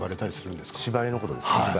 芝居のことですか。